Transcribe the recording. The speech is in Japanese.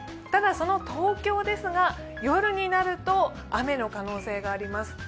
ただその東京ですが、夜になると雨の可能性があります。